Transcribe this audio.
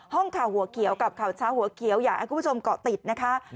ข่าวหัวเขียวกับข่าวเช้าหัวเขียวอยากให้คุณผู้ชมเกาะติดนะคะ